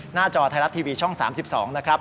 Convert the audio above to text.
จอไทยรัฐทีวีช่อง๓๒นะครับ